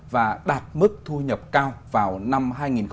và đạt mức thu nhập cao vào năm hai nghìn bốn mươi năm